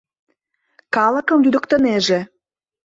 Калыкым лӱдыктынеже.